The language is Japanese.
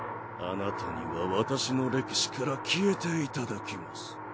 あなたには私の歴史から消えていただきます。